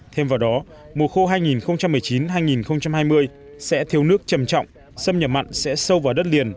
thêm vào đó mùa khô hai nghìn một mươi chín hai nghìn hai mươi sẽ thiếu nước trầm trọng xâm nhập mặn sẽ sâu vào đất liền